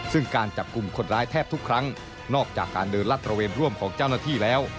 ซึ่งการจับกลุ่มคนร้ายแทบทุกครั้งนอกจากการเดินลัดระเวนร่วมของเจ้าหน้าที่แล้ว